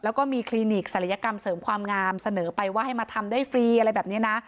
แล้วก็มีคลินิกศัลยกรรมเสริมความงามเสนอไปว่าให้มาทำได้ฟรีอะไรแบบนี้นะ